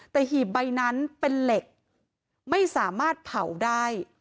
แต่หีบใบนั้นเป็นเหล็กไม่สามารถเผาได้